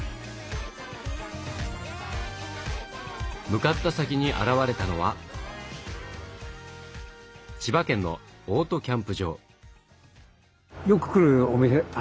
向かった先に現れたのは千葉県のオートキャンプ場。